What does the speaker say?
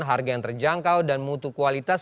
harga yang terjangkau dan mutu kualitas